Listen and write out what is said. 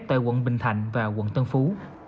tại quận bình thạnh và quận tân phú